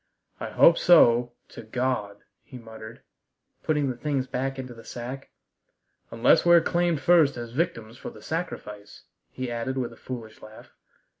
"I hope so to God," he muttered, putting the things back into the sack, "unless we're claimed first as victims for the sacrifice," he added with a foolish laugh.